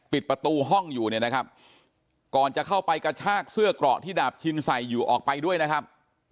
ปิดประตูห้องอยู่เนี่ยนะครับก่อนจะเข้าไปกระชากเสื้อเกราะที่ดาบชินใส่อยู่ออกไปด้วยนะครับ